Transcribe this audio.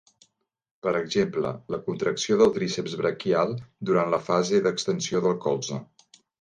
Per exemple, la contracció del tríceps braquial durant la fase d'extensió del colze.